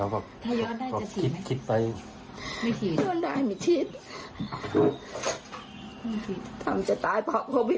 ขอความกรุณานะครับทางการครับ